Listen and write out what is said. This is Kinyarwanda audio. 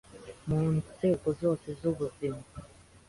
mu nzego zose z’ubuzima,